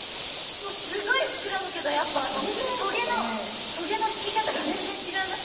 もうスゴい膨らむけどやっぱ棘の棘のつき方が全然違いますね。